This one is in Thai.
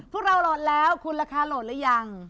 พวกเราโหลดแล้วคุณราคาโหลดหรือยัง